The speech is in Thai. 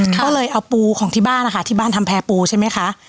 ก็เลยเอาปูของที่บ้านนะคะที่บ้านทำแพร่ปูใช่ไหมคะ